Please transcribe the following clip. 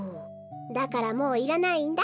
だからもういらないんだ。